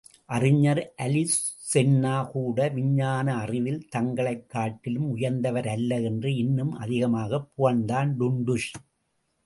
அறிஞர் அலிசென்னா கூட விஞ்ஞான அறிவில் தங்களைக் காட்டிலும் உயர்ந்தவரல்ல என்று இன்னும் அதிகமாகப் புகழ்ந்தான் டுன்டுஷ்.